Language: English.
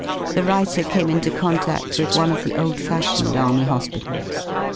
The writer came into contact with one of the old fashioned Army hospitals.